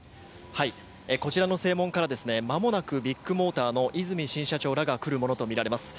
こちらの正門からまもなくビッグモーターの和泉新社長らが来るものと思われます。